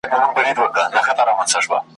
په غومبر او په مستیو ګډېدلې `